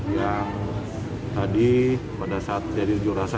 yang tadi pada saat jadi jurasa